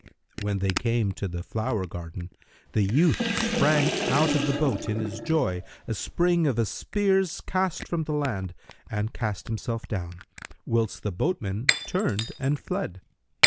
When they came to the flower garden, the youth sprang out of the boat, in his joy, a spring of a spear's cast from the land, and cast himself down, whilst the boatman turned and fled.